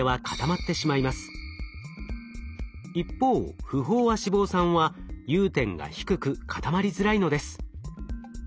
一方不飽和脂肪酸は融点が低く固まりづらいのです。